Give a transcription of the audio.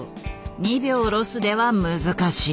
２秒ロスでは難しい。